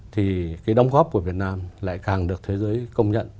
thì cái đóng góp của việt nam lại càng được thế giới công nhận